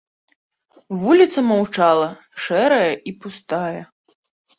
Вуліца маўчала, шэрая і пустая.